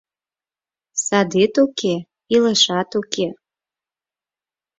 Садет уке — илышат уке...